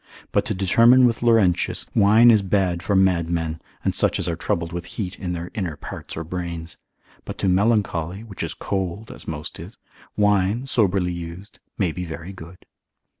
But to determine with Laurentius, c. 8. de melan. wine is bad for madmen, and such as are troubled with heat in their inner parts or brains; but to melancholy, which is cold (as most is), wine, soberly used, may be very good.